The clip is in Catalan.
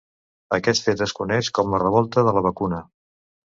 Aquest fet es coneix com la Revolta de la Vacuna.